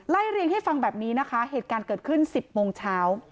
เรียงให้ฟังแบบนี้นะคะเหตุการณ์เกิดขึ้น๑๐โมงเช้า